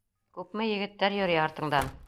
Күпме егеттәр йөрөй артыңдан?!